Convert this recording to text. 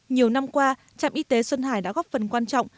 nhiều năm qua trạm y tế xuân hải đã góp phần quan trọng